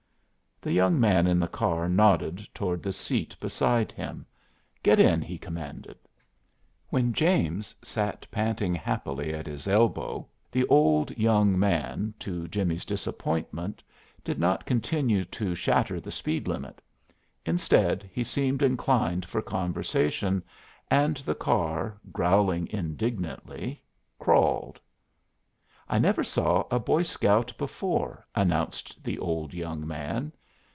The young man in the car nodded toward the seat beside him. "Get in," he commanded. When James sat panting happily at his elbow the old young man, to Jimmie's disappointment, did not continue to shatter the speed limit. Instead, he seemed inclined for conversation, and the car, growling indignantly, crawled. "I never saw a Boy Scout before," announced the old young man.